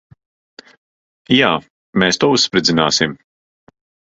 Jā. Mēs to uzspridzināsim.